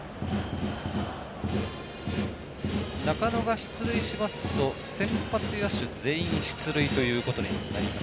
中野が出塁しますと先発野手、全員出塁ということになります